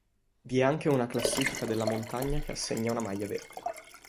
Vi è anche una classifica della montagna che assegna una maglia verde.